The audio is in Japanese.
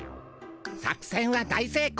作せんは大せいこう！